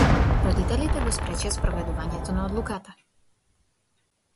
Родителите го спречија спроведувањето на одлуката.